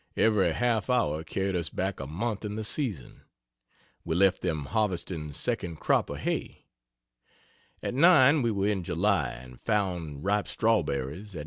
Every half hour carried us back a month in the season. We left them harvesting 2d crop of hay. At 9 we were in July and found ripe strawberries; at 9.